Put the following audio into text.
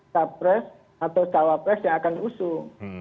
capres atau cawapres yang akan diusung